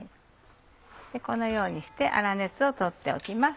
このようにして粗熱を取っておきます。